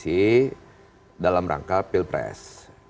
kualisi dalam rangka pilpres